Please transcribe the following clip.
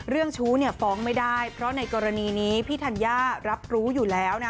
ชู้เนี่ยฟ้องไม่ได้เพราะในกรณีนี้พี่ธัญญารับรู้อยู่แล้วนะ